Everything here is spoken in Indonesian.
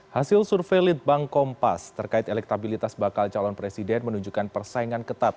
hasil survei litbang kompas terkait elektabilitas bakal calon presiden menunjukkan persaingan ketat